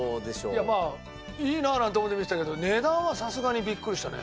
いやまあいいなあなんて思って見てたけど値段はさすがにビックリしたね。